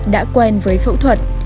đã quen với phẫu thuật